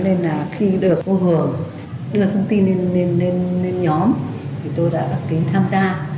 nên là khi được cô hường đưa thông tin lên nhóm tôi đã tham gia